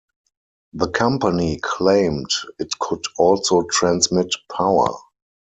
The company claimed it could also transmit power.